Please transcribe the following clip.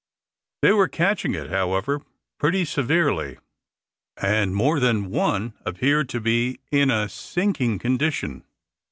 They were catching it, however, pretty severely, and more than one appeared to be in a sinking condition.